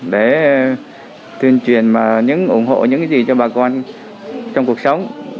để tuyên truyền ủng hộ những gì cho bà con trong cuộc sống